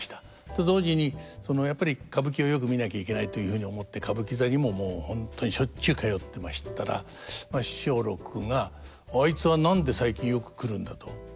と同時にやっぱり歌舞伎をよく見なきゃいけないというふうに思って歌舞伎座にももう本当にしょっちゅう通ってましたら松緑が「あいつは何で最近よく来るんだ」と。